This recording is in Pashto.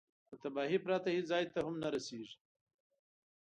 له تباهي پرته هېڅ ځای ته هم نه رسېږي.